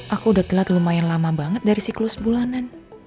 aku udah telat lumayan lama banget dari siklus bulanan